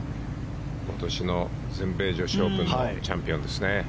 今年の全米女子オープンのチャンピオンですね。